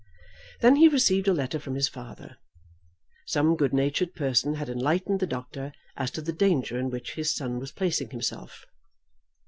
Then he received a letter from his father. Some good natured person had enlightened the doctor as to the danger in which his son was placing himself.